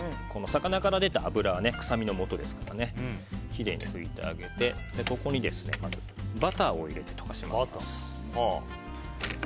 魚から出た脂は臭みのもとですからきれいに拭いてあげてここにバターを入れて溶かします。